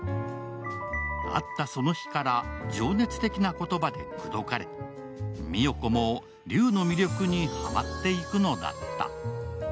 会ったその日から情熱的な言葉で口説かれ、美世子も劉の魅力にハマっていくのだった。